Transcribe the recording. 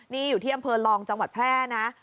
นี่อยู่ที่อำเภอลองจังหวัดแพร่นะ